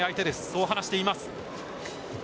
そう話しています。